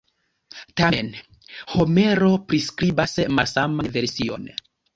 Tamen, Homero priskribas malsaman version.